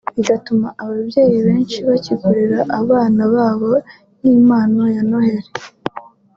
bigatuma ababyeyi benshi bakigurira abana babo nk’impano ya Noheli